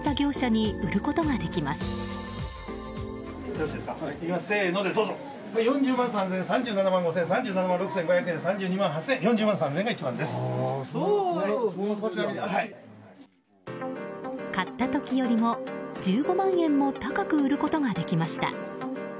買った時よりも１５万円も高く売ることができました。